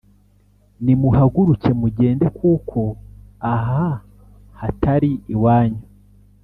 Nimuhaguruke mugende kuko aha hatari iwanyu